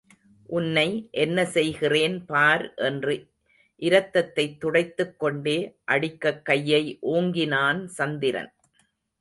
உன்னை என்ன செய்கிறேன் பார் என்று இரத்தத்தைத் துடைத்துக் கொண்டே, அடிக்கக் கையை ஓங்கினான் சந்திரன்.